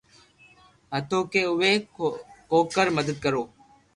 ھتو ڪي اووي ڪوڪر مدد ڪرو